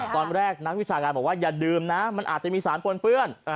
นักวิชาการบอกว่าอย่าดื่มนะมันอาจจะมีสารปนเปื้อน